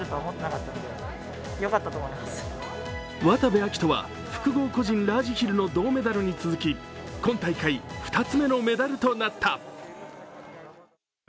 渡部暁斗は複合個人ラージヒルの銅メダルに続き今大会２つ目のメダルとなった。